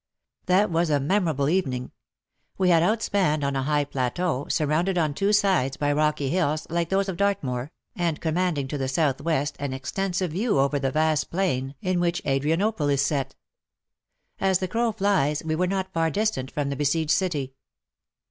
That was a memorable eveninor. We had outspanned on a high plateau, surrounded on two sides by rocky hills like those of Dartmoor, and commanding to the south west an exten sive view over the vast plain in which Adria *»)•"^:.' WAR AND WOMEN 93 nople is set. As the crow flies, we were not far distant from the besieged city.